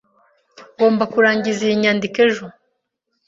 Ngomba kurangiza iyi nyandiko ejo.